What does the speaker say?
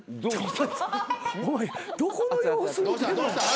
どこの様子見てんの？